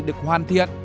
được hoàn thiện